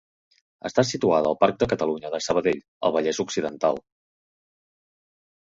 Està situada al parc de Catalunya de Sabadell, al Vallès Occidental.